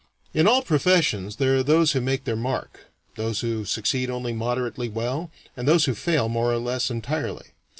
In all professions there are those who make their mark, those who succeed only moderately well, and those who fail more or less entirely.